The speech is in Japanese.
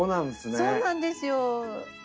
そうなんですよ。